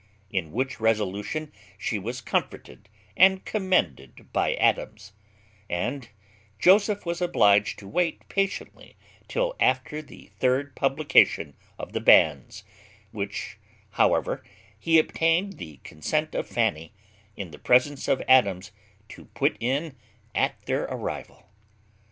In which resolution she was comforted and commended by Adams; and Joseph was obliged to wait patiently till after the third publication of the banns, which, however, he obtained the consent of Fanny, in the presence of Adams, to put in at their arrival.